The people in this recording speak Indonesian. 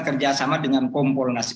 kerjasama dengan kompolnas